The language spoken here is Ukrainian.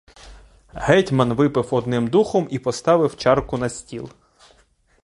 Гетьман випив одним духом і поставив чарку на стіл.